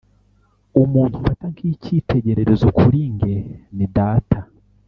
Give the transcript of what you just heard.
umuntu mfata nk’ikitegererezo kuri nge ni data